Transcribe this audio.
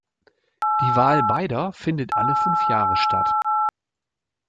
Die Wahl beider findet alle fünf Jahre statt.